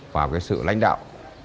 và cái sự lãnh đạo